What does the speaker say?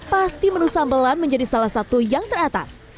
pasti menu sambelan menjadi salah satu yang teratas